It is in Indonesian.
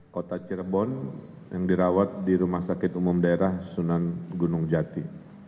kota cirebon yang dirawat di rumah sakit umum daerah sunan gunung jati